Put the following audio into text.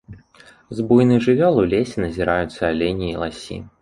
З буйных жывёл у лесе назіраюцца алені і ласі.